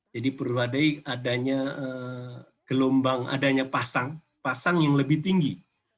jadi perlu diwaspadai adanya gelombang adanya pasang pasang yang lebih tinggi